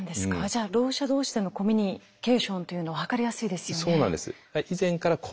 じゃあろう者同士でのコミュニケーションというのは図りやすいですよね。